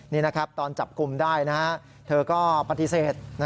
นี่นะครับตอนจับกลุ่มได้เธอก็ปฏิเสธ